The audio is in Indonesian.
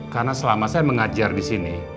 karena selama saya mengajar disini